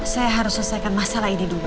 saya harus selesaikan masalah ini dulu